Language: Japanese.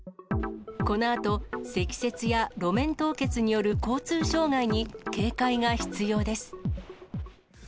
このあと、積雪や路面凍結による交通障害に警戒が必要です。